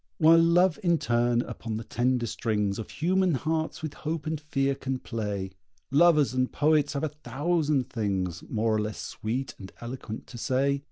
While Love in turn upon the tender strings Of human hearts with hope and fear can play, Lovers and poets have a thousand things, More or less sweet and eloquent, to say.